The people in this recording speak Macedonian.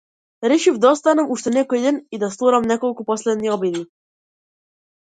Решив да останам уште некој ден и да сторам неколку последни обиди.